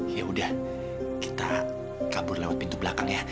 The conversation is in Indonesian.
ya udah kita kabur lewat pintu belakang ya